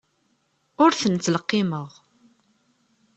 Ur ten-ttleqqimeɣ.